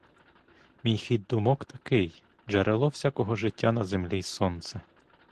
Мій хід думок такий: джерело всякого життя на землі — сонце.